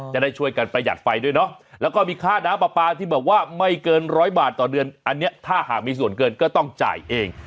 จะได้ช่วยกันประหยัดไฟด้วยเนาะแล้วก็มีค่าน้ำปลาปลาที่แบบว่าไม่เกินร้อยบาทต่อเดือนอันนี้ถ้าหากมีส่วนเกินก็ต้องจ่ายเอง